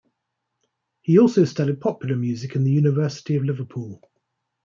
He also studied popular music in the University of Liverpool.